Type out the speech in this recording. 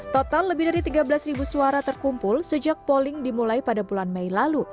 total lebih dari tiga belas suara terkumpul sejak polling dimulai pada bulan mei lalu